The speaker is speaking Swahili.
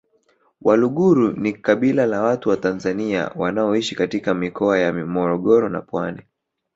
Waluguru ni kabila la watu wa Tanzania wanaoishi katika mikoa ya Morogoro na Pwani